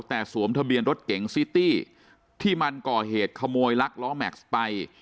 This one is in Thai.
แต่สวมทะเบียนรถเก๋งซิตี้ที่มันก่อเหตุขโมยลักล้อแม็กซ์ไป